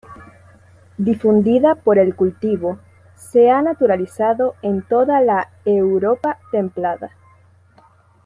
Difundida por el cultivo, se ha naturalizado en toda la Europa templada.